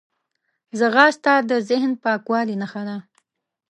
ځغاسته د ذهن پاکوالي نښه ده